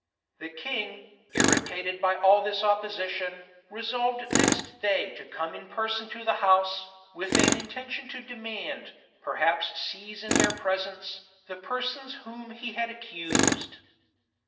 [*] The king, irritated by all this opposition, resolved next day to come in person to the house, with an intention to demand, perhaps seize in their presence, the persons whom he had accused.